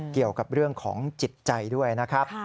เกี่ยวกับเรื่องของจิตใจด้วยนะครับ